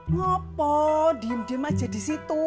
ngopol diem diem aja di situ